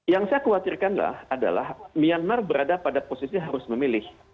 yang saya khawatirkanlah adalah myanmar berada pada posisi harus memilih